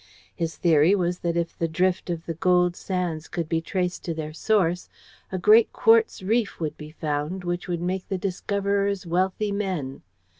His theory was that if the drift of the gold sands could be traced to their source, a great quartz reef would be found which would make the discoverers wealthy men.